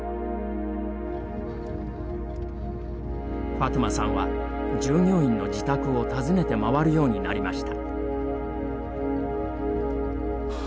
ファトゥマさんは従業員の自宅を訪ねて回るようになりました。